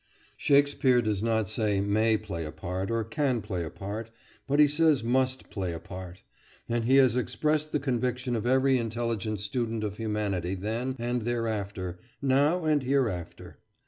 Shakespeare does not say "may" play a part, or "can" play a part, but he says must play a part; and he has expressed the conviction of every intelligent student of humanity then and thereafter, now and hereafter.